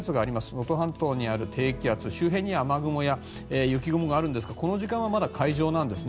能登半島にある低気圧周辺には雨雲や雪雲があるんですがこの時間はまだ海上なんですね。